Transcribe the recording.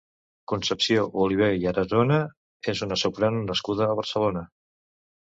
Concepció Oliver i Arazona és una soprano nascuda a Barcelona.